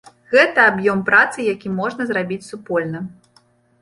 Гэта аб'ём працы, які можна зрабіць супольна.